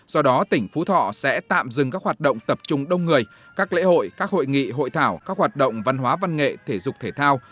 do đó tỉnh phú thọ sẽ tạm dừng các hoạt động tập trung đông người các lễ hội các hội nghị hội thảo các hoạt động văn hóa văn nghệ thể dục thể thao